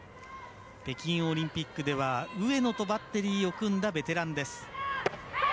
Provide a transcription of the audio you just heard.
北京オリンピックでは上野とバッテリーを組んだベテランです。